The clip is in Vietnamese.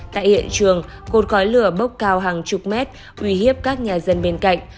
tại hiện trường cột khói lửa bốc cao hàng chục mét uy hiếp các nhà dân bên cạnh